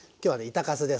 板かすです。